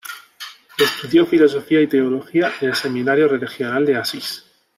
Estudió Filosofía y Teología en el Seminario Regional de Asís.